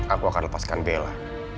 aku akan lepaskan bella